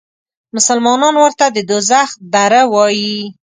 مسلمانان ورته د دوزخ دره وایي.